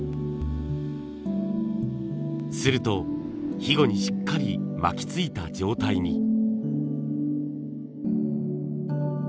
するとひごにしっかり巻きついた状態に。